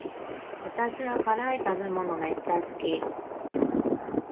私は辛い食べ物めっちゃ好き